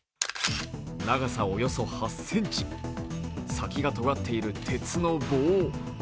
長さおよそ８ｃｍ先がとがっている鉄の棒。